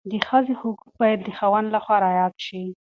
د ښځې حقوق باید د خاوند لخوا رعایت شي.